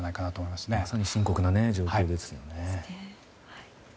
まさに深刻な状況ですよね。